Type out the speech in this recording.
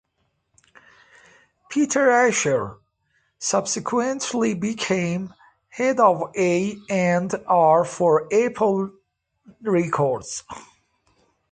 Peter Asher subsequently became head of A and R for Apple Records.